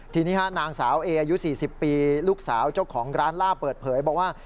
ทีนี้นางสาวเออายุ๔๐ปีลูกสาวเจ้าของร้านล่าเปิดเผยบอกว่า